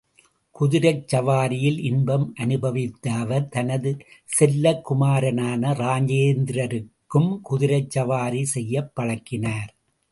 குதிரைச் சவாரியில் இன்பம் அனுபவித்த அவர், தனது செல்லக் குமாரனான ராஜேந்திரருக்கும் குதிரைச் சவாரி செய்யப் பழக்கினார்.